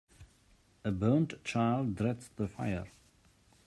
A burnt child dreads the fire.